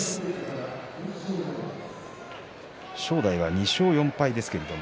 正代は２勝４敗ですけれども。